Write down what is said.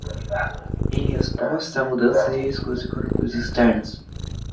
Em resposta a mudanças e riscos econômicos externos